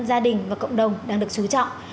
gia đình và cộng đồng đang được chú trọng